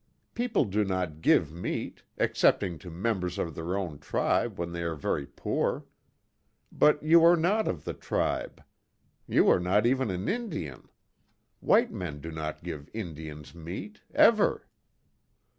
People do not give meat, excepting to members of their own tribe when they are very poor. But you are not of the tribe. You are not even an Indian. White men do not give Indians meat, ever."